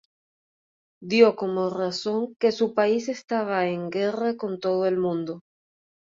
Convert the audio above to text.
Dio como razón que su país estaba "en guerra con todo el mundo".